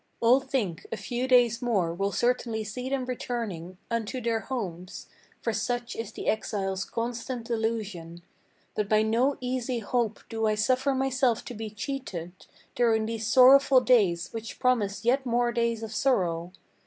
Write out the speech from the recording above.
All think a few days more will certainly see them returning Unto their homes; for such is the exile's constant delusion. But by no easy hope do I suffer myself to be cheated During these sorrowful days which promise yet more days of sorrow.